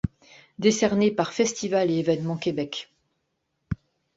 Décerné par Festivals et événements Québec.